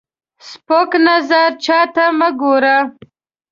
سپک نظر چاته مه ګوره